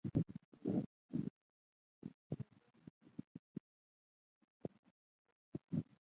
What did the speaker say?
د ښځو لخوا په دریا ښکنځل شوم.